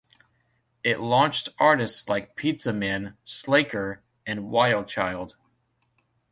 It launched artists like Pizzaman, Slacker, and Wildchild.